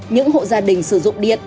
những hộ gia đình sử dụng điện